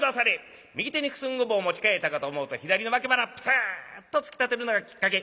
右手に九寸五分を持ち替えたかと思うと左の脇腹ブスッと突き立てるのがきっかけ。